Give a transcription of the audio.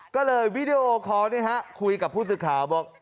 ก็เลยวีดีโอคอร์คุยกับผู้สื่อข่าวบอก